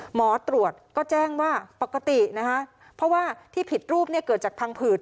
หมอตรวจก็แจ้งว่าปกตินะคะเพราะว่าที่ผิดรูปเนี่ยเกิดจากพังผืด